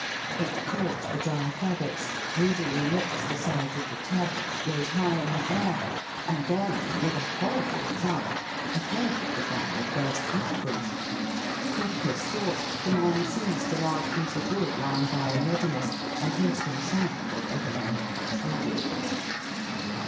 It caught the dry faggots, greedily licked the sides of the tubs, rose high in the air, and then, with a horrible thud, the head of the barrel burst outwards. Quick as thought, the man seized a large piece of wood, lying by in readiness, and hid from sight whatever may have protruded.